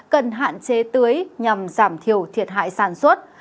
cần hạn chế tưới nhằm giảm thiểu thiệt hại sản xuất